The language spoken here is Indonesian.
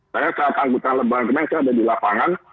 saya saat angkutan lembaga mereka ada di lapangan